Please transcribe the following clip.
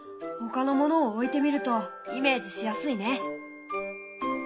ほかのものを置いてみるとイメージしやすいね！